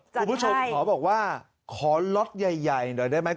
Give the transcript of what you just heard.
คุณผู้ชมขอบอกว่าขอล็อตใหญ่หน่อยได้ไหม